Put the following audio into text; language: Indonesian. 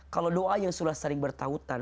kalau doa yang sudah sering bertautan